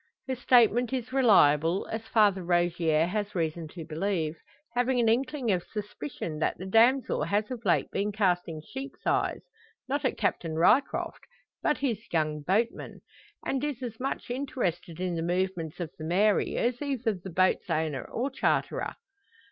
Her statement is reliable, as Father Rogier has reason to believe having an inkling of suspicion that the damsel has of late been casting sheep's eyes, not at Captain Ryecroft, but his young boatman, and is as much interested in the movements of the Mary as either the boat's owner or charterer.